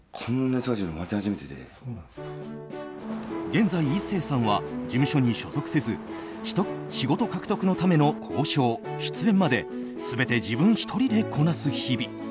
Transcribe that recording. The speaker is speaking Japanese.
現在、壱成さんは事務所に所属せず仕事獲得のための交渉、出演まで全て自分１人でこなす日々。